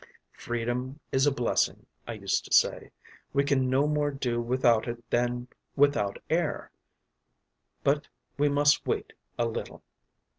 Freedom is a blessing, I used to say; we can no more do without it than without air, but we must wait a little.